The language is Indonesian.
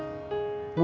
bilang aja sama emak